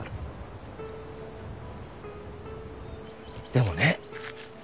でもね